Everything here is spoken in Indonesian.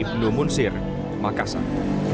ibnu munsir makassar